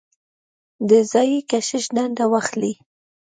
د ځايي کشیش دنده واخلي.